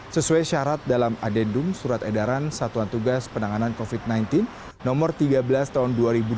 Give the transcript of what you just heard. sesuai syarat dalam adendum surat edaran satuan tugas penanganan covid sembilan belas no tiga belas tahun dua ribu dua puluh